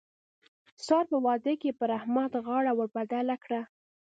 سار په واده کې پر احمد غاړه ور بدله کړه.